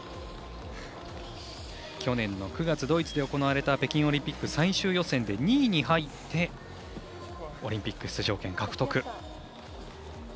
去年の９月、ドイツで行われた北京オリンピック最終予選で２位に入ってオリンピック出場権獲得。